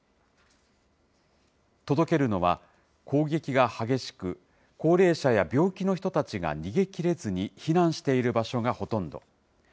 届けるのは、攻撃が激しく、高齢者や病気の人たちが逃げきれずに避難している場所がほとんど。